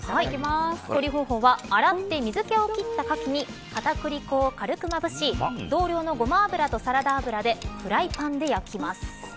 調理方法は洗って水けを切ったかきに片栗粉を軽くまぶし同量のごま油とサラダ油でフライパンで焼きます。